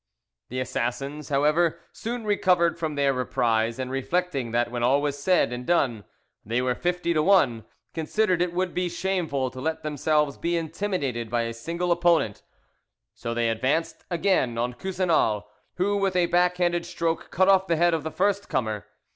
The assassins, however, soon recovered from their surprise, and reflecting that when all was said and done they were fifty to one, considered it would be shameful to let themselves be intimidated by a single opponent, so they advanced again on Coussinal, who with a back handed stroke cut off the head of the first comer.